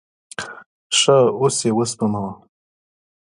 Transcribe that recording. ښه، اوس یی وسپموه